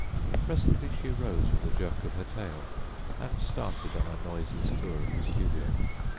Presently she rose with a jerk of her tail and started on a noiseless tour of the studio.